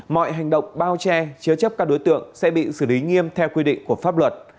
mọi hành động bao che chứa chấp các đối tượng sẽ bị xử lý nghiêm theo quy định của pháp luật